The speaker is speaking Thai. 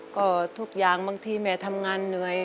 ก็ทุกอย่างบางทีแม่ทำงานเหนื่อย